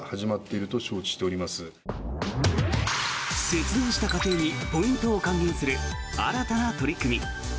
節電した家庭にポイントを還元する新たな取り組み。